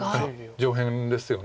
上辺ですよね。